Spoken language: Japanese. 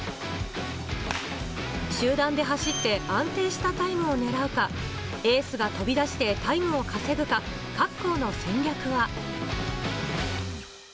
集団で走って安定したタイムを狙うか、エースが飛び出してタイムを稼ぐか、各校の戦略は。